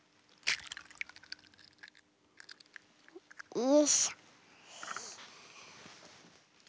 よいしょ。